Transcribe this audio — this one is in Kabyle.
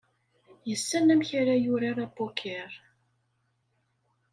Yessen amek ara yurar apoker.